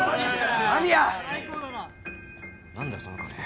何だよその金